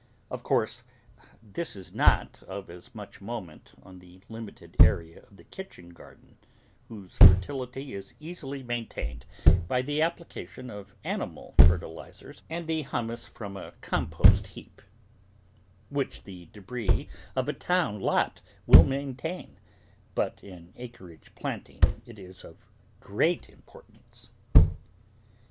Of course this is not of as much moment on the limited area of the kitchen garden, whose fertility is easily maintained by the application of animal fertilisers and the humus from a compost heap, which the debris of a town lot will maintain, but, in acreage planting, it is of great importance.